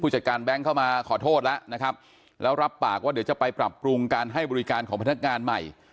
จัดการแบงค์เข้ามาขอโทษแล้วนะครับแล้วรับปากว่าเดี๋ยวจะไปปรับปรุงการให้บริการของพนักงานใหม่